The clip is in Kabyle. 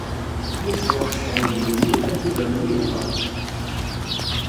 Mi yettwaqecceɛ lǧenn-nni, agugam-nni ihdeṛ-d.